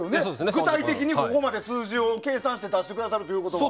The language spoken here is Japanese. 具体的にここまで数字を計算して出してくださるということは。